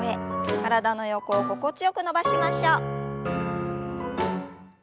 体の横を心地よく伸ばしましょう。